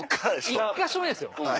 １か所目ですよ。